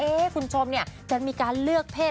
เอ๊ะคุณชมเนี่ยจะมีการเลือกเพศ